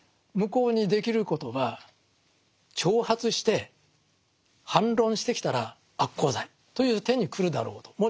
向こうにできることは挑発して反論してきたら悪口罪という手にくるだろうと。